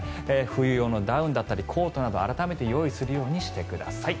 冬用のダウン、コートなど改めて用意するようにしてください。